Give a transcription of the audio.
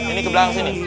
ini ke belakang sini